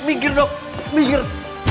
minggir dok minggir